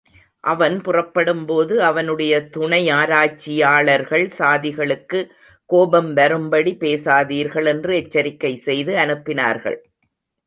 அவன் புறப்படும்போது, அவனுடைய துணையாராய்ச்சியாளர்கள் சாதிகளுக்குக் கோபம் வரும்படி பேசாதீர்கள் என்று எச்சரிக்கை செய்து அனுப்பினார்கள்.